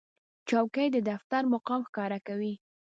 چوکۍ د دفتر مقام ښکاره کوي.